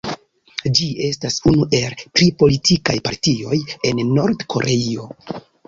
Ĝi estas unu el tri politikaj partioj en Nord-Koreio.